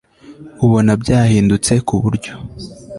ubona byahindutse ku buryo